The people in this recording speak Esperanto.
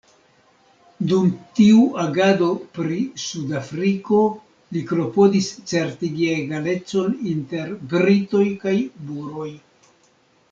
Dum tiu agado pri Sudafriko, li klopodis certigi egalecon inter Britoj kaj Buroj.